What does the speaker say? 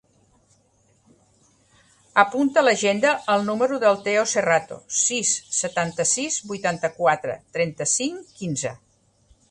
Apunta a l'agenda el número del Theo Serrato: sis, setanta-sis, vuitanta-quatre, trenta-cinc, quinze.